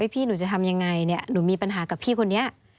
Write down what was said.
พี่หนูจะทำยังไงหนูมีปัญหากับพี่คนนี้